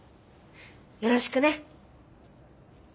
よろしくね。